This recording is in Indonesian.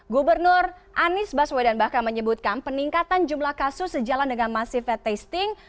gubernur anies baswedan bahkan menyebutkan peningkatan jumlah kasus sejalan dengan masifet testing